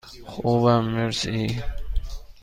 خوبم، مرسی.